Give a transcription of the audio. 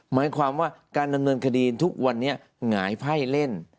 หมายความว่าการดำเนินคดีทุกวันนี้หงายไพ่เล่น